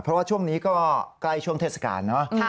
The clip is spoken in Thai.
เพราะว่าช่วงนี้ก็ใกล้ช่วงเทศกาลเนอะ